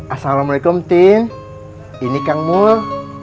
assalamualaikum tim ini kang mul